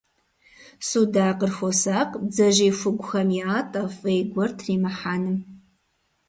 Судакъыр хуосакъ бдзэжьей хугухэм ятӀэ, фӀей гуэр тримыхьэным.